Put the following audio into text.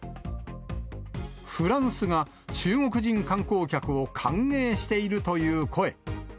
フランスが中国人観光客を歓迎しているという声。